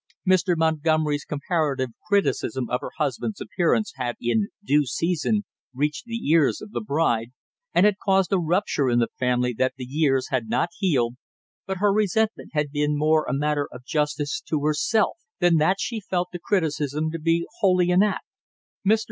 Mr. Montgomery's comparative criticism of her husband's appearance had in due season reached the ears of the bride, and had caused a rupture in the family that the years had not healed, but her resentment had been more a matter of justice to herself than that she felt the criticism to be wholly inapt. Mr.